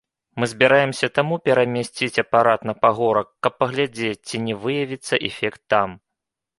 Мы збіраемся таму перамясціць апарат на пагорак, каб паглядзець, ці не выявіцца эфект там.